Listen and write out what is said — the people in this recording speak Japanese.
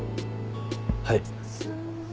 はい。